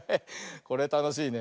これたのしいね。